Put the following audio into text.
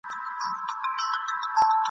نه عمرونه مو کمیږي تر پېړیو !.